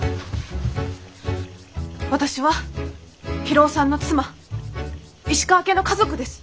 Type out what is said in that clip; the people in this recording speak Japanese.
私は博夫さんの妻石川家の家族です。